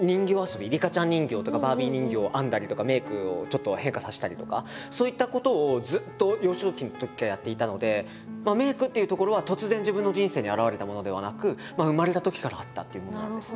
リカちゃん人形とかバービー人形を編んだりとかメイクをちょっと変化させたりとかそういったことをずっと幼少期のときからやっていたのでメイクっていうところは突然自分の人生に現れたものではなく生まれたときからあったっていうものなんですね。